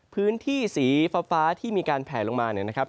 พื้นที่สีฟ้าที่มีการแผลลงมาเนี่ยนะครับ